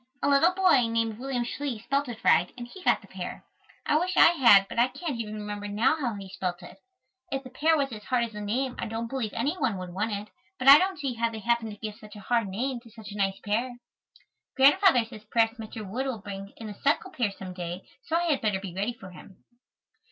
A little boy, named William Schley, spelt it right and he got the pear. I wish I had, but I can't even remember now how he spelt it. If the pear was as hard as the name I don't believe any one would want it, but I don't see how they happened to give such a hard name to such a nice pear. Grandfather says perhaps Mr. Wood will bring in a Seckle pear some day, so I had better be ready for him.